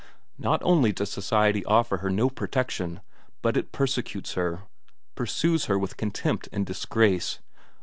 Not only does society offer her no protection, but it persecutes her, pursues her with contempt and disgrace.